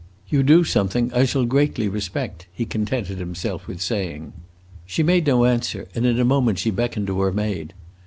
"You do something I shall greatly respect," he contented himself with saying. She made no answer, and in a moment she beckoned to her maid.